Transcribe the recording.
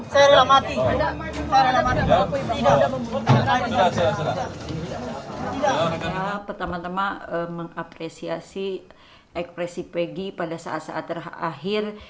saya pertama tama mengapresiasi ekspresi peggy pada saat saat terakhir